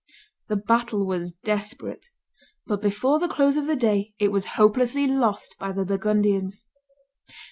The battle was desperate; but before the close of the day it was hopelessly lost by the Burgundians.